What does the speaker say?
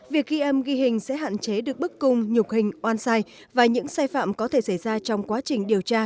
việc ghi âm ghi hình sẽ hạn chế được bức cung nhục hình oan sai và những sai phạm có thể xảy ra trong quá trình điều tra